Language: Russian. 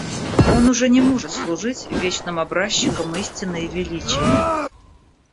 Он уже не может служить вечным образчиком истины и величия.